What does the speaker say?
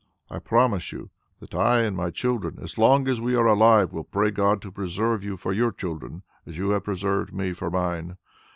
I promise you that I and my children, as long as we are alive, will pray God to preserve you for your children as you have preserved me for mine.